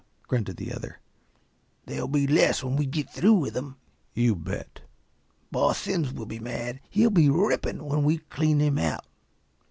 "Huh!" grunted the other. "There'll be less when we git through with them." "You bet." "Boss Simms will be mad. He'll be ripping, when we clean him out."